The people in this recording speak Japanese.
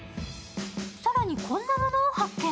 更にこんなものを発見。